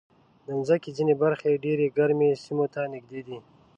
د مځکې ځینې برخې ډېر ګرمو سیمو ته نږدې دي.